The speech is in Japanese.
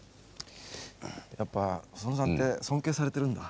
やっぱ細野さんって尊敬されてるんだ。